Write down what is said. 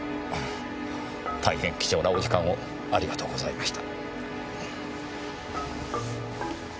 大変貴重なお時間をありがとうございました。